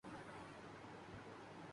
آواز ہی نہیں آرہی